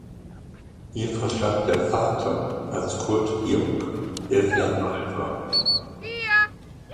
Hier verstarb der Vater, als Curth Georg elf Jahre alt war.